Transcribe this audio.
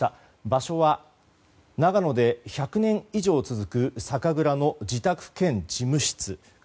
場所は、長野で１００年以上続く酒蔵の自宅兼事務室。